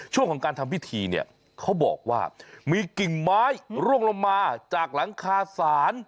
ช่วงของการทำพิธีเนี่ยเขาบอกว่ามีกิ่งไม้ร่วงลงมาจากหลังคาศาล